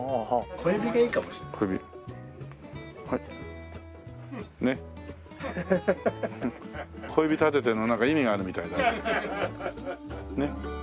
小指立ててるのなんか意味があるみたいだね。